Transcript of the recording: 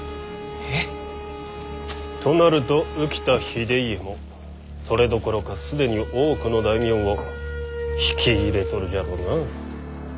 えっ！？となると宇喜多秀家もそれどころか既に多くの大名を引き入れとるじゃろうな。